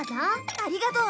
ありがとう。